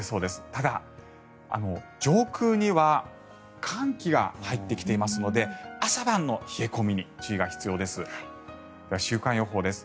ただ、上空には寒気が入ってきていますので朝晩の冷え込みに注意が必要です。